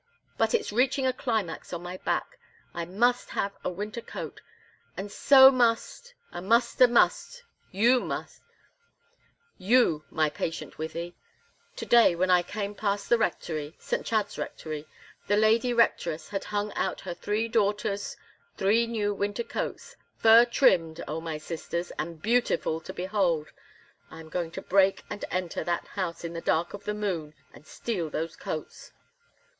But it's reaching a climax on my back. I must have a winter coat, and so must a muster must you, my patient Wythie. To day when I came past the rectory St. Chad's rectory the lady rectoress had hung out her three daughters' three new winter coats, fur trimmed, O my sisters, and beautiful to behold! I am going to break and enter that house in the dark of the moon, and steal those coats."